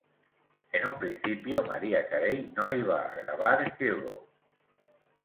En un principio, Mariah Carey no iba a grabar "Hero".